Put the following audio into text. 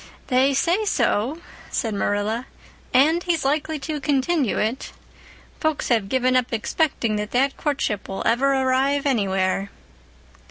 "They say so," said Marilla, "and he's likely to continue it. Folks have given up expecting that that courtship will ever arrive anywhere."